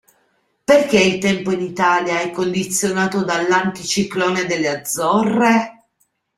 Perché il tempo in Italia e condizionato dall'Anticiclone delle Azzorre?